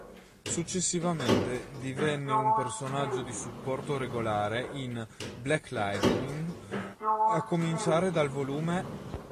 Successivamente divenne un personaggio di supporto regolare in "Black Lightning" a cominciare dal vol.